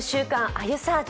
あゆサーチ」。